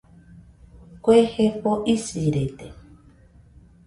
Kue jefo isirede